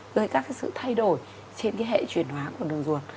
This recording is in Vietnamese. gây ra cái sự thay đổi trên cái hệ truyền hóa của đường ruột